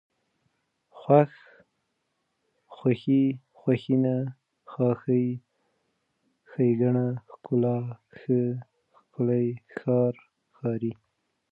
خوښ، خوښي، خوښېنه، خاښۍ، ښېګڼه، ښکلا، ښه، ښکلی، ښار، ښاري